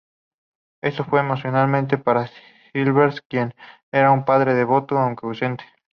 Esto fue emocionante para Silvers, quien era un padre devoto, aunque ausente.